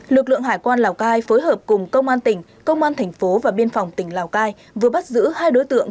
lực lượng hải quan lào cai phối hợp cùng công an tỉnh công an thành phố và biên phòng tỉnh lào cai vừa bắt giữ hai đối tượng